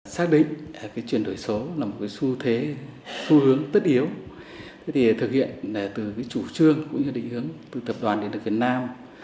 xác định chuyển đổi số là một xu thế xu hướng tất yếu thì thực hiện từ chủ trương cũng như định hướng từ tập đoàn điện lực việt nam